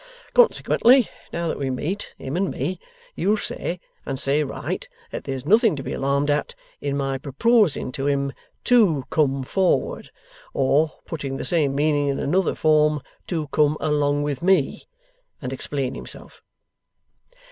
Consequently, now that we meet, him and me, you'll say and say right that there's nothing to be alarmed at, in my proposing to him TO come forward or, putting the same meaning in another form, to come along with me and explain himself.